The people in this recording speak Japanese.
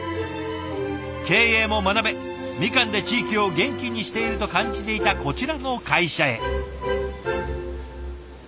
経営も学べみかんで地域を元気にしていると感じていたこちらの会社へ。